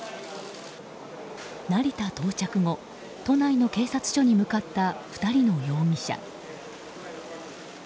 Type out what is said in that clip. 成田到着後、都内の警察署に向かった２人の容疑者。